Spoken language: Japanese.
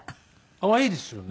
可愛いですよね。